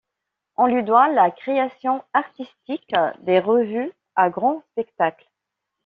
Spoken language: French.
On lui doit la création artistique des revues à grand spectacle.